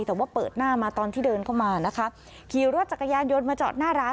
แต่ว่าเปิดหน้ามาตอนที่เดินเข้ามานะคะขี่รถจักรยานยนต์มาจอดหน้าร้าน